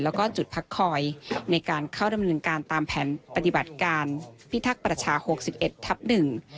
แล้วก็จุดพักคอยในการเข้าดำเนินการตามแผนปฏิบัติการพิทักษ์ประชาหกสิบเอ็ดทับหนึ่ง